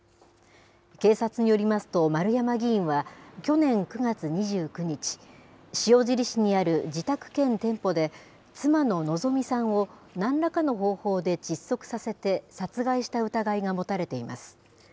警察によりますと、丸山議員は、去年９月２９日、塩尻市にある自宅兼店舗で、妻の希美さんを、なんらかの方法で窒息させて殺害した疑いが持たれています。